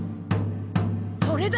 それだ！